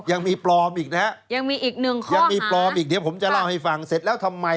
ยังมีปลอมอีกนะฮะยังมีปลอมอีกเดี๋ยวผมจะเล่าให้ฟังเสร็จแล้วทำไม